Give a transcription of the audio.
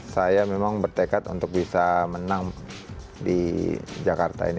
saya memang bertekad untuk bisa menang di jakarta ini